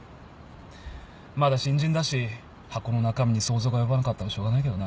まだ新人だし箱の中身に想像が及ばなかったのはしょうがないけどな。